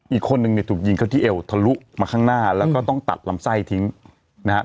อีกคนนึงเนี่ยถูกยิงเข้าที่เอวทะลุมาข้างหน้าแล้วก็ต้องตัดลำไส้ทิ้งนะฮะ